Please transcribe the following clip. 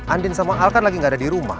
andin sama al kan lagi gak ada di rumah